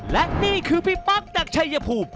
และนี่คือพี่ปั๊กจากชัยภูมิ